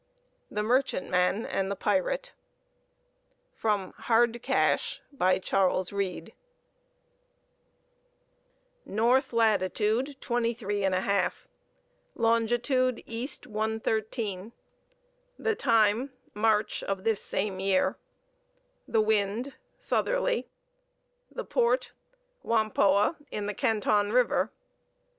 THE MERCHANTMAN AND THE PIRATE (From Hard Cash.) By CHARLES READE. North Latitude 23 1/2, Longitude East 113; the time March of this same year; the wind southerly; the port Whampoa in the Canton River.